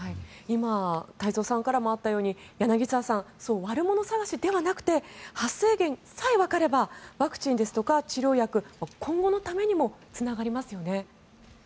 今太蔵さんからもあったように柳澤さん、悪者探しではなくて発生源さえわかればワクチンですとか治療薬今後のためにもつながりますよね。